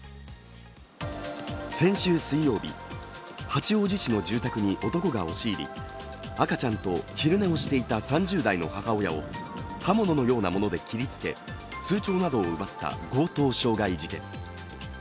先週水曜日、八王子市の住宅に男が押し入り、赤ちゃんと昼寝をしていた３０代の母親を刃物のようなもので切りつけ通帳などを奪った強盗傷害事件。